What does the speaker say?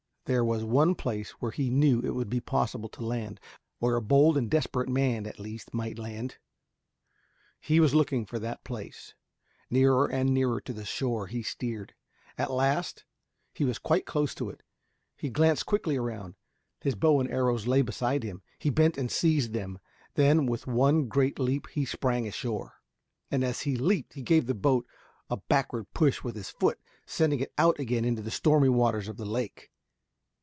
There was one place where he knew it would be possible to land where a bold and desperate man at least might land. He was looking for that place. Nearer and nearer to the shore he steered. At last he was quite close to it. He glanced quickly round. His bow and arrows lay beside him. He bent and seized them. Then with one great leap he sprang ashore, and as he leaped he gave the boat a backward push with his foot, sending it out again into the stormy waters of the lake.